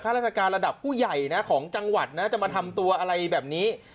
ราชการระดับผู้ใหญ่นะของจังหวัดนะจะมาทำตัวอะไรแบบนี้